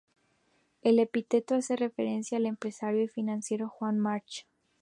El epíteto hace referencia al empresario y financiero Juan March.